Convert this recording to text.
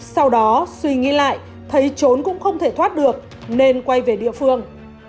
sau đó suy nghĩ lại thấy trốn cũng không thể thoát được nên quay về địa phương